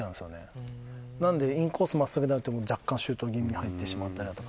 なのでインコース真っすぐに投げても若干シュート気味に入ってしまったりだとか。